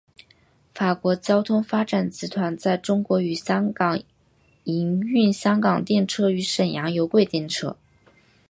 法国交通发展集团在中国与香港营运香港电车与沈阳有轨电车。